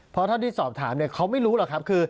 เพราะเท่าที่สอบถามเนี่ยเขาไม่รู้หรอกครับคือ